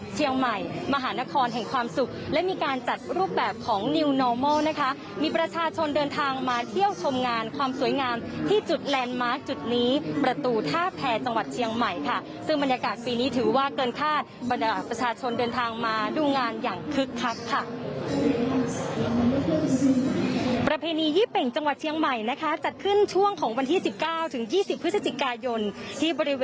เชียงใหม่มหานครแห่งความสุขและมีการจัดรูปแบบของนะคะมีประชาชนเดินทางมาเที่ยวชมงานความสวยงามที่จุดจุดนี้ประตูท่าแพงจังหวัดเชียงใหม่ค่ะซึ่งบรรยากาศปีนี้ถือว่าเกินคาดบรรยากาศประชาชนเดินทางมาดูงานอย่างคึกคักค่ะประเพณียี่เป็งจังหวัดเชียงใหม่นะคะจัดขึ้นช่วงของวันที่สิ